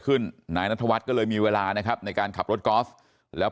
นายนัทวัฒน์ก็เลยมีเวลานะครับในการขับรถกอล์ฟแล้ว